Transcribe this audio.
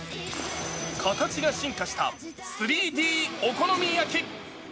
形が進化した３Ｄお好み焼き。